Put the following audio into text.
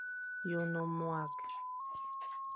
Ye o ne mwague.